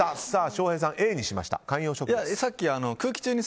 翔平さん、Ａにしました。